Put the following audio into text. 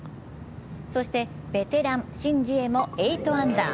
そしてベテラン、シン・ジエも８アンダー。